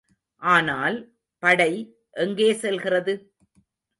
ஆனால், படை எங்கே செல்கிறது?